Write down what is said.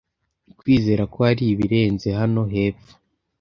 kwizera ko hari ibirenze hano hepfo